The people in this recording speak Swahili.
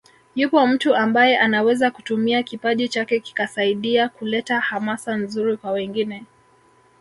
Yupo mtu ambaye anaweza kutumia kipaji chake kikasaidia kuleta hamasa nzuri kwa wengine